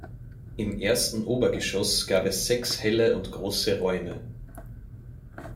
Im ersten Obergeschoss gab es sechs helle und große Räume.